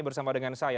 bersama dengan saya